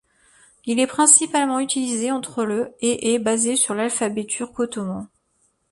Il est principalement utilisé entre le et est basé sur l’alphabet turc ottoman.